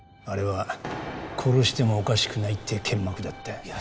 あれは殺してもおかしくないって剣幕だったよ